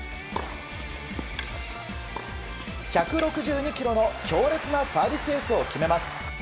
１６２キロの強烈なサービスエースを決めます。